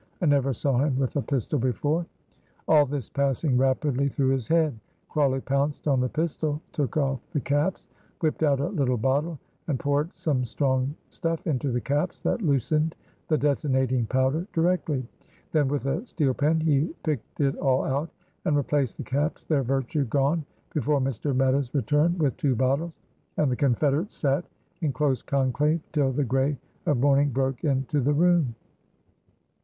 I never saw him with a pistol before." All this passing rapidly through his head, Crawley pounced on the pistol, took off the caps, whipped out a little bottle, and poured some strong stuff into the caps that loosened the detonating powder directly; then with a steel pen he picked it all out and replaced the caps, their virtue gone, before Mr. Meadows returned with two bottles; and the confederates sat in close conclave till the gray of morning broke into the room.